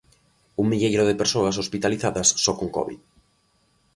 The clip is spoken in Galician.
Un milleiro de persoas hospitalizadas só con covid.